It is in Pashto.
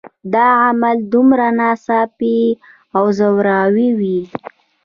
دا عمل دومره ناڅاپي او زوراور وي